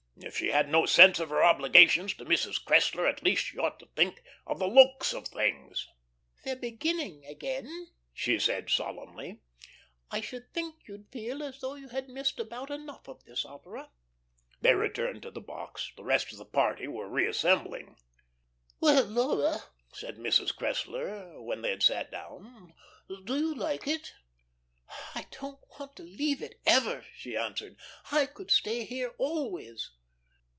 If she had no sense of her obligations to Mrs. Cressler, at least she ought to think of the looks of things. "They're beginning again," she said solemnly. "I should think you'd feel as though you had missed about enough of this opera." They returned to the box. The rest of the party were reassembling. "Well, Laura," said Mrs. Cressler, when they had sat down, "do you like it?" "I don't want to leave it ever," she answered. "I could stay here always."